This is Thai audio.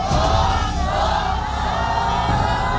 โหโหโหโห